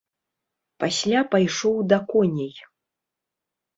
Пасля пайшоў да коней.